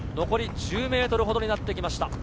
残り１５ｍほどの差になってきました。